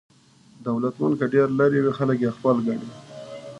دولتمند که ډېر لرې وي خلک یې خپل ګڼي.